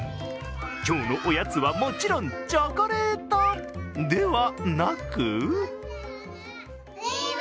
今日のおやつはもちろんチョコレートではなく？